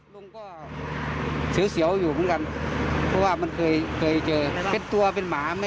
มุ่งก็เฉลียวอยู่เหมือนกันเพราะว่ามันเคยเจอ